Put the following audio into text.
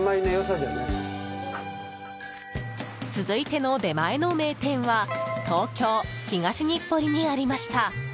続いての出前の名店は東京・東日暮里にありました。